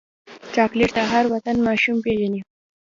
چاکلېټ د هر وطن ماشوم پیژني.